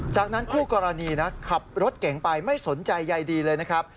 จากนั้นคู่กรณีนะขับรถเก่งไปไม่สนใจใยดีเลยนะครับ